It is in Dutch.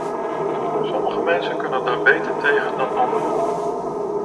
Sommige mensen kunnen daar beter tegen dan anderen.